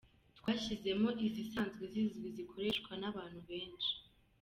Twashyizemo izisanzwe zizwi zikoreshwa n’abantu benshi.